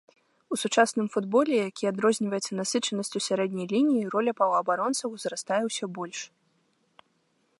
У сучасным футболе, які адрозніваецца насычанасцю сярэдняй лініі, роля паўабаронцаў узрастае ўсё больш.